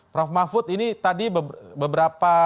prof mahfud ini tadi beberapa